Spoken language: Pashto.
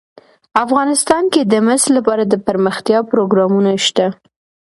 افغانستان کې د مس لپاره دپرمختیا پروګرامونه شته.